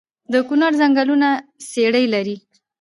د کونړ ځنګلونه څیړۍ لري؟